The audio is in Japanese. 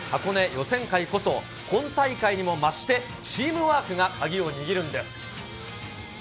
予選会こそ、本大会にもまして、チームワークが鍵を握るんです。